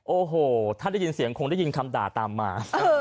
โอ้โหถ้าได้ยินเสียงคงได้ยินคำด่าตามมา